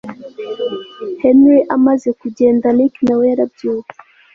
Henry amaze kugenda Rick nawe yarabyutse